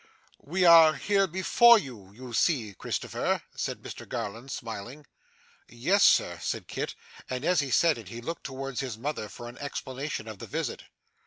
'We are here before you, you see, Christopher,' said Mr Garland smiling. 'Yes, sir,' said Kit; and as he said it, he looked towards his mother for an explanation of the visit.